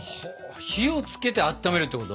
火をつけてあっためるってこと？